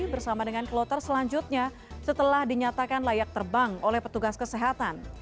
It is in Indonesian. bersama dengan kloter selanjutnya setelah dinyatakan layak terbang oleh petugas kesehatan